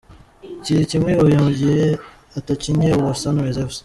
kuri cyimwe i Huye mu gihe atakinnye uwa Sunrise fc